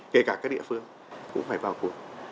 kể cả các địa phương cũng phải vào cuộc